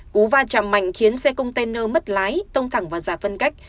cú va chạm mạnh khiến xe container mất lái tông thẳng vào giải phân cách